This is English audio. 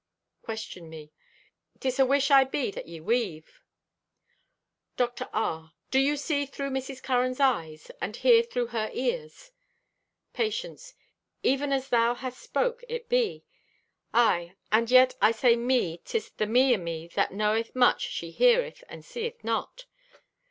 (Question me.) 'Tis awish I be that ye weave." Dr. R.—"Do you see through Mrs. Curran's eyes and hear through her ears?" Patience.—"Even as thou hast spoke, it be. Aye, and yet I say me 'tis the me o' me that knoweth much she heareth and seeth not."